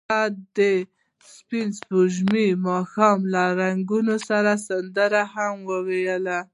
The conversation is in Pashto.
هغوی د سپوږمیز ماښام له رنګونو سره سندرې هم ویلې.